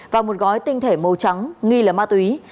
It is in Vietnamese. và một gói tinh thể màu trắng nghi là ma túy